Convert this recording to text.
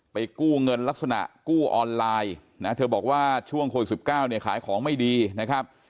กู้เงินลักษณะกู้ออนไลน์นะเธอบอกว่าช่วงโควิด๑๙เนี่ยขายของไม่ดีนะครับ